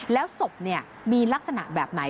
แล้วศพมีลักษณะแบบไหน